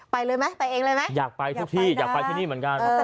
ไปเลยไหมไปเองเลยไหมอยากไปทุกที่อยากไปที่นี่เหมือนกัน